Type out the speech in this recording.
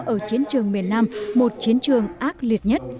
ở chiến trường miền nam một chiến trường ác liệt nhất